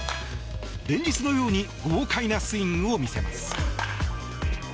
連日のように豪快なスイングを見せます。